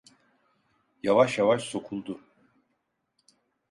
Yavaş yavaş sokuldu.